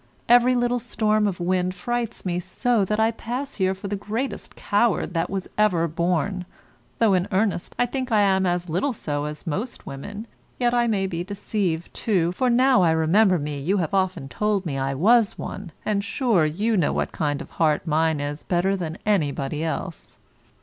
Every little storm of wind frights me so, that I pass here for the greatest coward that ever was born, though, in earnest, I think I am as little so as most women, yet I may be deceived, too, for now I remember me you have often told me I was one, and, sure, you know what kind of heart mine is better than anybody else.